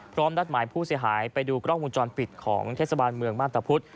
พร้อมรับหมายผู้เสียหายไปดูกล้องมุมจรปิดของเทศบาลเมืองบ้านทหารพุส